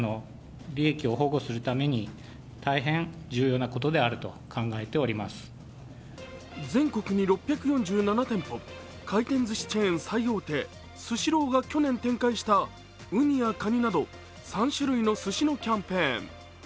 今回、おとり広告だと指摘された全国に６４７店舗、回転ずしチェーン最大手、スシローが去年展開したウニやカニなど３種類のすしのキャンペーン。